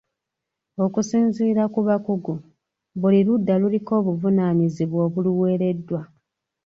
Okusinziira ku bakugu buli ludda luliko obuvunaanyizibwa obuluweereddwa.